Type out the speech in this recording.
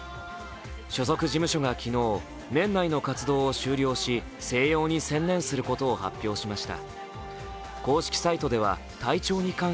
所属事務所が昨日、年内の活動を終了し静養に専念することを発表しました。